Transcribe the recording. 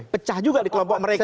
pecah juga di kelompok mereka